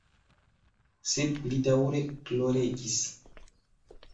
Sed li daŭre ploregis.